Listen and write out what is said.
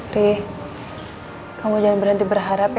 ri kamu jangan berhenti berharap ya